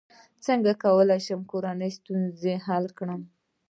څنګه کولی شم د کورنۍ ستونزې حل کړم